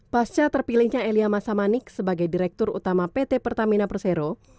pasca terpilihnya elia masamanik sebagai direktur utama pt pertamina persero